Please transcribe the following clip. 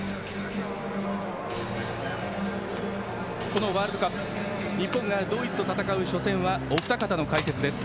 このワールドカップ日本がドイツと戦う初戦はお二方の解説です。